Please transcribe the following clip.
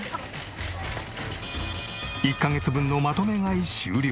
１カ月分のまとめ買い終了。